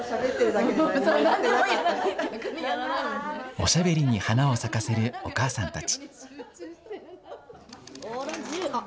おしゃべりに花を咲かせるお母さんたち。